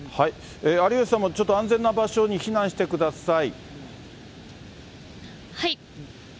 有吉さんもちょっと安全な場所に避難してください。